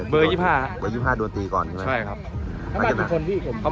เบอร์๒๕นะเบอร์๒๕ตัวตีก่อนใช่ไหมใช่ครับ